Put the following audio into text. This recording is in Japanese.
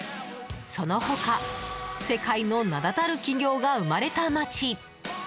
その他、世界の名だたる企業が生まれた街！